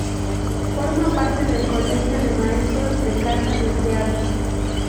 Forma parte del colegio de maestros de Casa del Teatro.